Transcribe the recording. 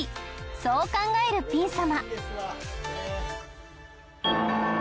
そう考えるピン様。